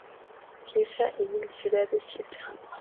Cieza y el Ciudad de Cieza.